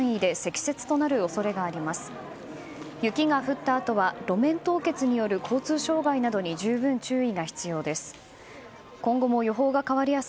雪が降ったあとは路面凍結による交通障害などに十分、注意が必要です。